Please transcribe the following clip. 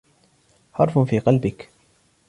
حَرْفٌ فِي قَلْبِك